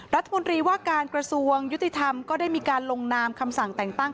รัฐมนตรีว่าการกระทรวงยุติธรรมก็ได้มีการลงนามคำสั่งแต่งตั้ง